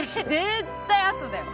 絶対あとだよ！